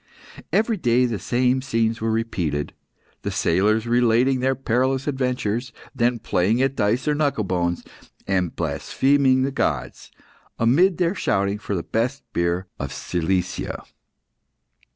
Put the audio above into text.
Every day the same scenes were repeated, the sailors relating their perilous adventures, then playing at dice or knuckle bones, and blaspheming the gods, amid their shouting for the best beer of Cilicia.